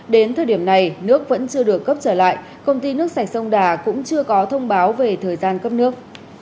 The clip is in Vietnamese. đến thời điểm này nước vẫn chưa được cấp trở lại công ty nước sạch sông đà cũng chưa có thông báo về thời gian cấp nước